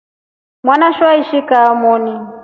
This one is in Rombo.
Mwana su eshi kaa mwoni.